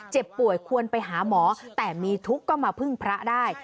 เจ็บป่วยควรไปหาหมอแต่มีทุกข์ก็มาพึ่งพระได้